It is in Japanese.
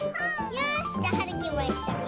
よしじゃあはるきもいっしょに。